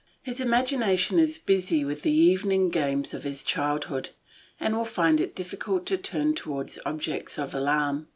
His imagination is busy with the evening games of his childhood, and will find it difficult to turn towards objects of alarm.